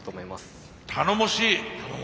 頼もしい！